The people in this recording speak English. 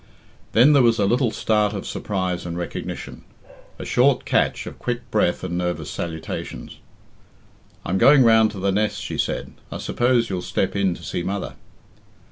Then there was a little start of surprise and recognition, a short catch of quick breath and nervous salutations. "I'm going round to the nests," she said. "I suppose you'll step in to see mother."